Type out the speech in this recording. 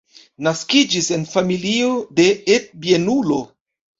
Naskiĝis en familio de et-bienulo.